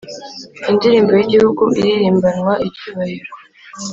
Indirimbo y Igihugu iririmbanwa icyubahiro